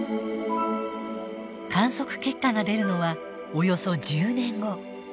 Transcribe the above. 観測結果が出るのはおよそ１０年後。